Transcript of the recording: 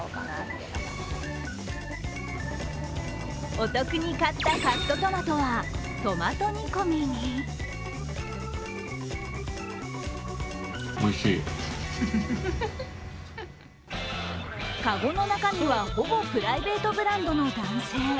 お得に買ったカットトマトはトマト煮込みに籠の中身はほぼプライベートブランドの男性。